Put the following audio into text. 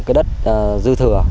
cái đất dư thừa